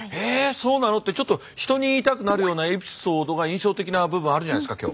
そうなの？」ってちょっと人に言いたくなるようなエピソードが印象的な部分あるじゃないですか今日。